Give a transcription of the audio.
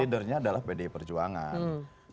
leadernya adalah pdi perjuangan